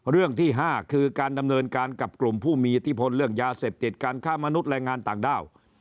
เรื่องที่๕คือการดำเนินการกับกลุ่มผู้มีอิทธิพลเรื่องยาเสพติดการฆ่ามนุษย์แรงงานต่างด้าว